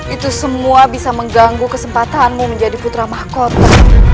itu semua bisa mengganggu kesempatanmu menjadi putra mahkota